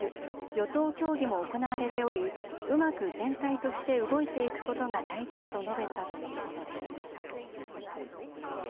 与党協議も行われておりうまく全体として動いていくことが大事だと述べたということです。